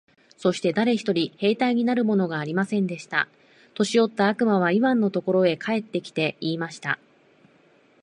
そして誰一人兵隊になるものがありませんでした。年よった悪魔はイワンのところへ帰って来て、言いました。